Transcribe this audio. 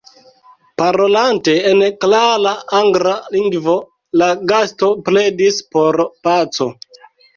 Parolante en klara angla lingvo, la gasto pledis por paco.